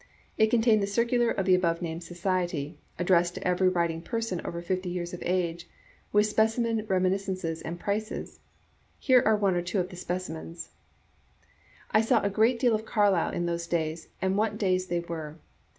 It contained the circular of the above named society (addressd to every writing person over fifty years of age), with specimen reminis cences and prices. Here are one or two of the speci mens: " I saw a great deal of Carlyle in those days, and what days they were